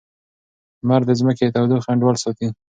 لمر د ځمکې د تودوخې انډول ساتي.